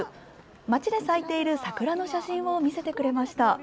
町で咲いている桜の写真を見せてくれました。